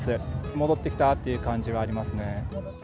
戻ってきたっていう感じはありま